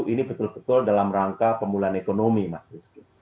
ini betul betul dalam rangka pemulihan ekonomi mas rizky